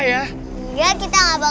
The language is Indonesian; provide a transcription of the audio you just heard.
kan buka renee